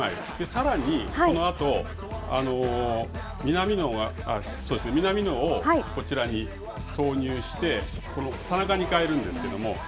さらにこのあと、南野をこちらに投入して、この田中に代えるんですけれども。